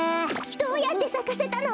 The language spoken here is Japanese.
どうやってさかせたの？